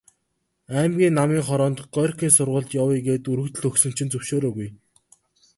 Аймгийн Намын хороонд Горькийн сургуульд явъя гээд өргөдөл өгсөн чинь зөвшөөрөөгүй.